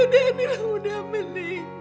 danilah mudah mel